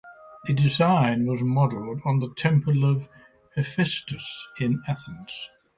The design was modelled on the Temple of Hephaestus in Athens.